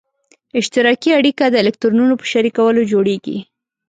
اشتراکي اړیکه د الکترونونو په شریکولو جوړیږي.